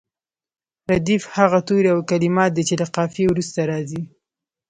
ردیف هغه توري او کلمات دي چې له قافیې وروسته راځي.